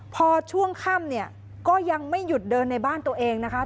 พอช่วงค่ำเนี่ยก็ยังไม่หยุดเดินในบ้านตัวเองนะคะ